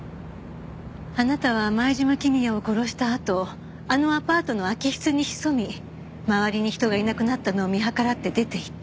あなたは前島公也を殺したあとあのアパートの空き室に潜み周りに人がいなくなったのを見計らって出て行った。